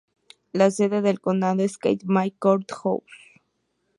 La sede del condado es Cape May Court House.